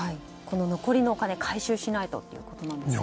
残りのお金回収しないとということですね。